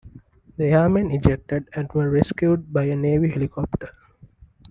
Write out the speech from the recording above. The airmen ejected and were rescued by a Navy helicopter.